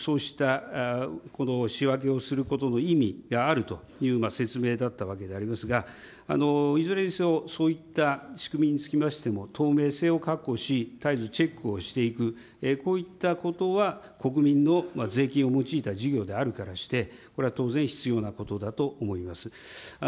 これ、そうしたこの仕分けをすることの意味があるという説明だったわけでありますが、いずれにせよ、そういった仕組みにつきましても、透明性を確保し、絶えずチェックをしていく、こういったことは国民の税金を用いた事業であるからして、これは当然必要なことだと思います。